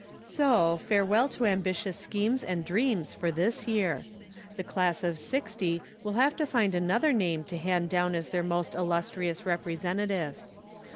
So farewell to ambitious schemes and dreams for this year. The class of '60 will have to find another name to hand down as their most illustrious representative.